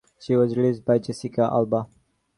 She was replaced by Jessica Alba.